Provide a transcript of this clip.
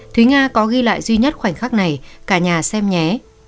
thúy nga có ghi lại duy nhất khoảnh khắc này cả nhà xem nhé